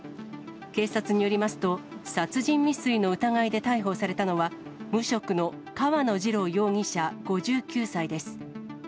警察によりますと、殺人未遂の疑いで逮捕されたのは、無職の川野二郎容疑者５９歳です。